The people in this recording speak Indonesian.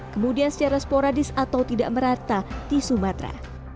kemudian secara sporadis atau tidak merata di sumatera